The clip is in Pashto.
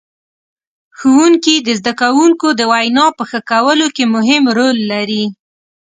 ښوونکي د زدهکوونکو د وینا په ښه کولو کې مهم رول لري.